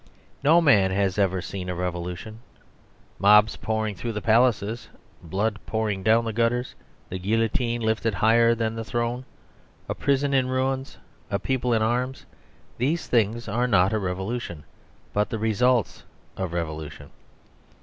No man has ever seen a revolution. Mobs pouring through the palaces, blood pouring down the gutters, the guillotine lifted higher than the throne, a prison in ruins, a people in arms these things are not revolution, but the results of revolution.